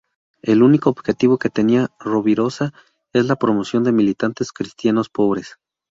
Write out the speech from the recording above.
El único objetivo que tenía Rovirosa es la promoción de militantes cristianos pobres.